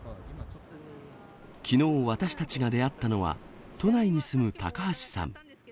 きのう、私たちが出会ったのは、都内に住む高橋さん。